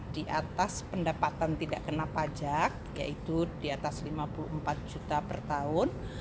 di atas pendapatan tidak kena pajak yaitu di atas lima puluh empat juta per tahun